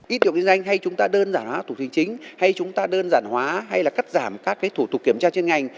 ý tiểu kinh doanh hay chúng ta đơn giản hóa tủ tính chính hay chúng ta đơn giản hóa hay là cắt giảm các cái thủ tục kiểm tra trên ngành